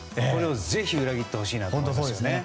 これもぜひ裏切ってほしいです。